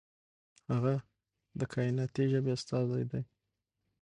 هغه د کائناتي ژبې استازی دی.